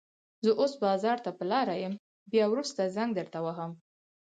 زه اوس بازار ته په لاره يم، بيا وروسته زنګ درته وهم.